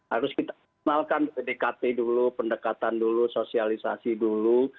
harus kita kenalkan pdkt dulu pendekatan dulu sosialisasi dulu